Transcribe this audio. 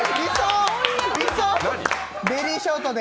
ベリーショートで。